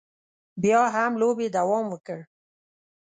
بیا هم لوبې دوام وکړ.